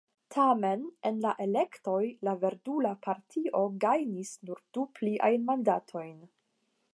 Tamen en la elektoj la Verdula Partio gajnis nur du pliajn mandatojn.